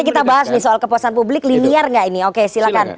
nanti kita bahas soal kepuasan publik linier gak ini oke silahkan